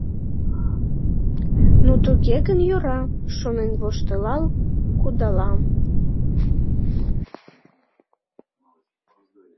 «Ну, туге гын, йӧра», — шонен воштылал кудалам.